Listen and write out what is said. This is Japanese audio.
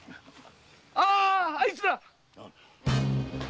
あーっあいつら！